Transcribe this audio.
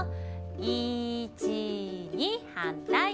１２はんたい。